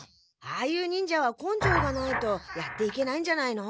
ああいう忍者は根性がないとやっていけないんじゃないの？